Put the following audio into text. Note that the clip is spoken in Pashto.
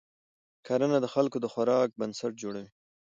کرنه د خلکو د خوراک بنسټ جوړوي